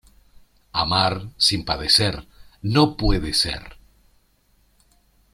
Amar sin padecer, no puede ser.